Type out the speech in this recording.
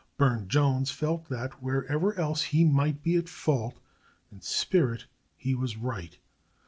Burne Jones felt that, wherever else he might be at fault, in spirit he was right.